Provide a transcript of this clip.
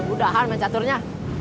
udahan main caturnya